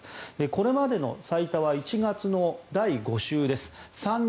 これまでの最多は１月の第５週です。